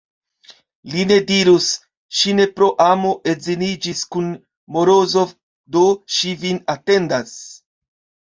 Li ne dirus: "ŝi ne pro amo edziniĝis kun Morozov, do ŝi vin atendas".